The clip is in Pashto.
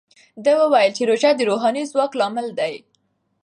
ده وویل چې روژه د روحاني ځواک لامل دی.